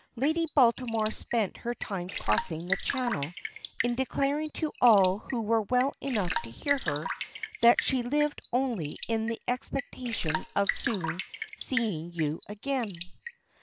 Lady Baltimore spent her time crossing the Channel in declaring to all who were well enough to hear her, that she lived only in the expectation of soon seeing you again."